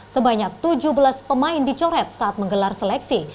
sebanyak tujuh belas pemain dicoret saat menggelar seleksi